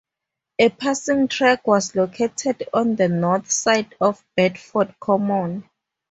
A passing track was located on the north side of Bedford Common.